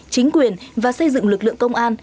chính quyền và xây dựng lực lượng công an